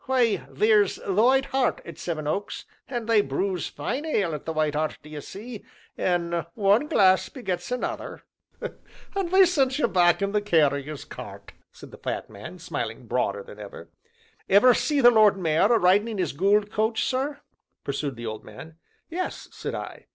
"Why, theer's 'The White Hart' at Sevenoaks, an' they brews fine ale at 'The White Hart,' d'ye see, an' one glass begets another." "And they sent ye back in the carrier's cart!" said the fat man, smiling broader than ever. "Ever see the Lord Mayor a ridin' in 'is goold coach, sir?" pursued the old man. "Yes," said I.